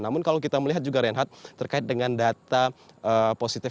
namun kalau kita melihat juga reinhard terkait dengan data positif